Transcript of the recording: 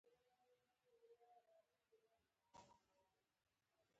دا د ټولنې ګډ تخیل دی.